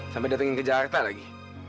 sampai datangin ke jakarta lagi